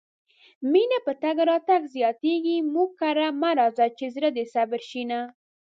مينه په تګ راتګ زياتيږي مونږ کره مه راځه چې زړه دې صبر شينه